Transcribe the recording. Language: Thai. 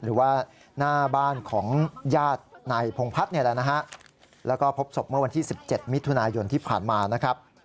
หรือว่าหน้าบ้านของญาตินายพงพัฒน์แล้วก็พบศพเมื่อวันที่๑๗มิทุนายนที่ผ่านมา